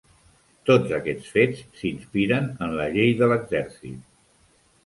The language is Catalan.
Tots aquests fets s'inspiren en la Llei de l'Exèrcit.